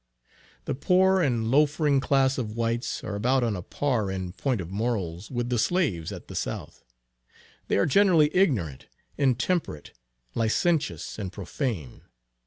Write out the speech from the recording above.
The poor and loafering class of whites, are about on a par in point of morals with the slaves at the South. They are generally ignorant, intemperate, licentious, and profane.